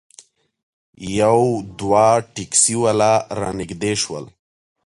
یو دوه ټیکسي والا رانږدې شول.